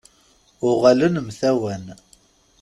Uɣalen mtawan.